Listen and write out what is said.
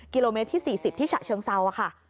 กิโลเมตรที่๔๐ที่ฉะเชิงเซาค่ะ